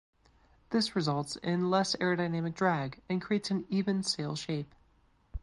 This results in less aerodynamic drag and creates an even sail shape.